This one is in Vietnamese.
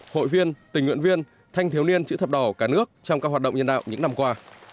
hội viên tình nguyện viên thanh thiếu niên chữ thập đỏ cả nước trong các hoạt động nhân đạo những năm qua